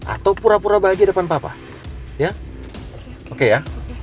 atau pura pura bahagia depan papa ya oke ya